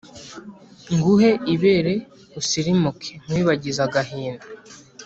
Nguhe ibere usirimuke nkwibagize agahinda